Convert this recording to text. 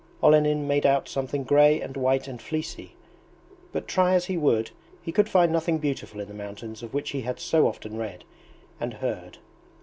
Olenin made out something grey and white and fleecy, but try as he would he could find nothing beautiful in the mountains of which he had so often read and heard.